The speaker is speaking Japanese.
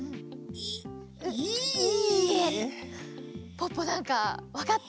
ポッポなんかわかった？